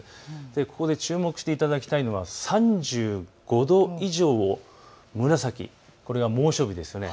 ここで注目していただきたいのは３５度以上、紫、これは猛暑日です。